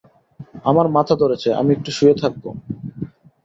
আমার মাথা ধরেছে, আমি একটু শুয়ে থাকব।